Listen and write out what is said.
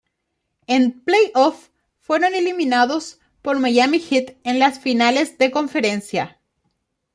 En playoffs, fueron eliminados por Miami Heat en las Finales de Conferencia.